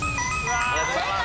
正解。